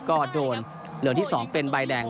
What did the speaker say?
ก็โดนเหลืองที่๒เป็นใบแดง